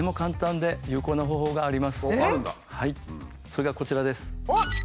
それがこちらです。